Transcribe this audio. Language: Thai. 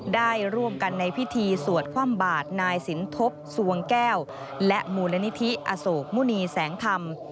ได้ร่วมกันในพิธีสวดคว่ำบาดนายสินทบสวงแก้วและมูลนิธิอโศกมุณีแสงธรรม